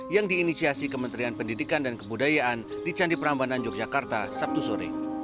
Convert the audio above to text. yang diinisiasi kementerian pendidikan dan kebudayaan di candi prambanan yogyakarta sabtu sore